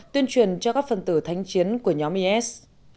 tuyên truyền cho các phần tử thánh chiến của nhóm is